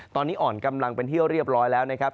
ตอนนี้อ่อนกำลังเป็นที่เรียบร้อยแล้วนะครับ